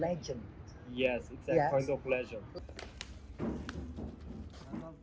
ya ini adalah jenis kebenaran